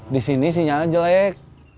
di sini sinyal jelek